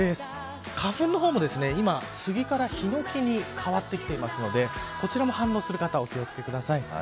花粉のほうも今、スギからヒノキに変わってきていますのでこちらも反応する方お気を付けください。